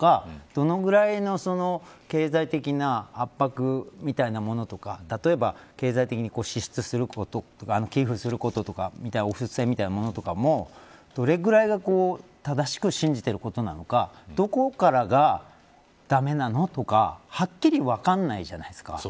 どのぐらいの経済的な圧迫みたいなものとか例えば、経済的に支出すること寄付することとかお布施みたいなものとかもどれぐらいが正しく信じていることなのかどこからが駄目なのとかはっきり分からないじゃないですか。